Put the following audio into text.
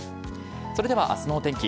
それではあすのお天気。